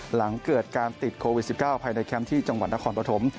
หลังเกิดการติดโควิด๑๙ภายในแคมป์ที่จังหวัดนครปฐม